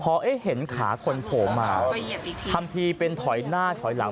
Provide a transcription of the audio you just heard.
พอเอ๊ะเห็นขาคนโผล่มาทำทีเป็นถอยหน้าถอยหลัง